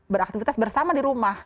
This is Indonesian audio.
beraktivitas bersama di rumah